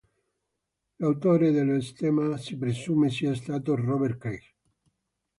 L'autore dello stemma si presume sia stato Robert Craig.